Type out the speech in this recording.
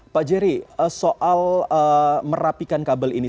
pak jerry soal merapikan kabel ini